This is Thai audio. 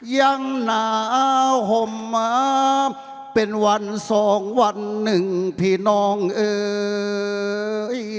ยังหนาวห่มมาเป็นวันสองวันหนึ่งพี่น้องเอ่ย